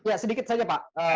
ya sedikit saja pak